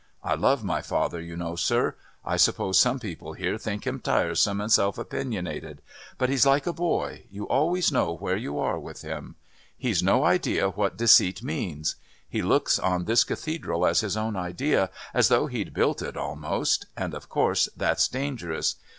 I love my father, you know, sir; I suppose some people here think him tiresome and self opinionated, but he's like a boy, you always know where you are with him. He's no idea what deceit means. He looks on this Cathedral as his own idea, as though he'd built it almost, and of course that's dangerous.